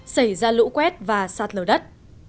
xảy ra lũ quét và sát lở đất